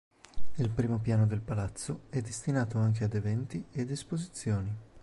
Il primo piano del Palazzo è destinato anche ad eventi ed esposizioni.